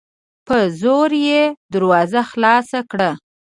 په زور یې دروازه خلاصه کړه